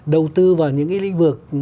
đầu tư vào những cái lĩnh vực